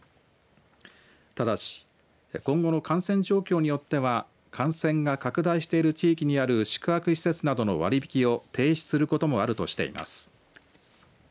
ただし今後の感染状況によっては感染が拡大している地域にある宿泊施設などの割り引きを停止することもあるとしています。